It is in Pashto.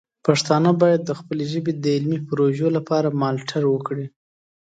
پښتانه باید د خپلې ژبې د علمي پروژو لپاره مالتړ وکړي.